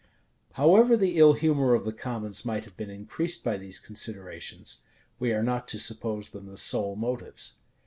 However the ill humor of the commons might have been increased by these considerations, we are not to suppose them the sole motives.